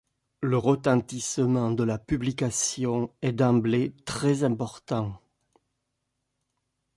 Le retentissement de la publication est d'emblée très important.